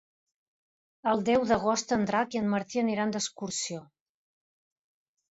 El deu d'agost en Drac i en Martí aniran d'excursió.